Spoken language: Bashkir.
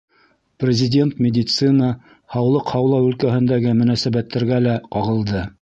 Президент медицина, һаулыҡ һаҡлау өлкәһендәге мөнәсәбәттәргә лә ҡағылды.